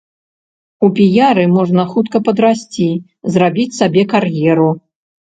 У піяры можна хутка падрасці, зрабіць сабе кар'еру.